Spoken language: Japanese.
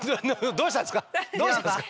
どうしたんですか？